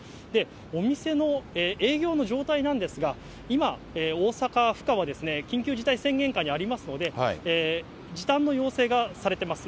お店の営業の状態なんですが、今、大阪府下は緊急事態宣言下にありますので、時短の要請がされてます。